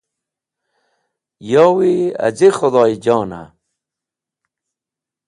Yowi az̃i Khũdhoyjon a.